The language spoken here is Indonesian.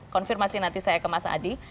konfirmasi nanti saya ke mas adi